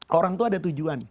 ke orang tua ada tujuan